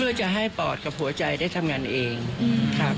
เพื่อจะให้ปอดกับหัวใจได้ทำงานเองครับ